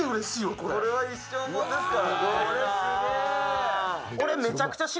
これは一生もんですから。